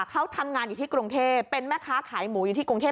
เขาทำงานอยู่ที่กรุงเทพเป็นแม่ค้าขายหมูอยู่ที่กรุงเทพ